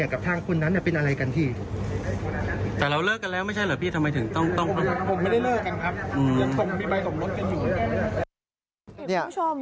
ขออย่างหนึ่งเรื่องนี้ครับ